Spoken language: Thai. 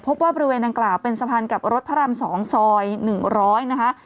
พบว่าบริเวณดังกล่าวเป็นสะพานกับรถพระรามสองซอยหนึ่งร้อยนะคะ